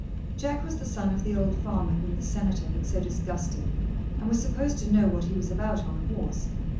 Jack was the son of the old farmer whom the Senator had so disgusted, and was supposed to know what he was about on a horse.